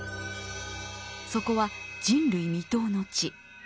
そこは人類未踏の地。